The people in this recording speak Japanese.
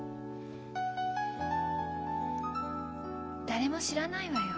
誰も知らないわよ。